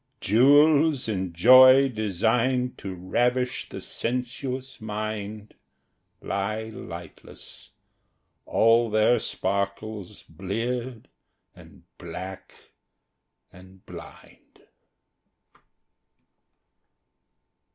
IV Jewels in joy designed To ravish the sensuous mind Lie lightless, all their sparkles bleared and black and blind.